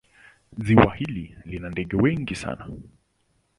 Ziwa hili lina ndege wengi sana.